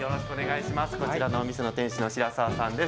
こちらのお店の店主の白澤さんです。